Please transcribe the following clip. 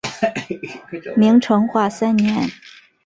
明成化三年。